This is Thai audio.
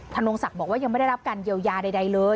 นงศักดิ์บอกว่ายังไม่ได้รับการเยียวยาใดเลย